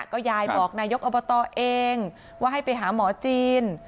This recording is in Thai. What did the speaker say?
ก็ยายบอกนายกอบตเองว่าให้ไปหาหมอจีน